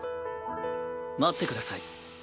待ってください。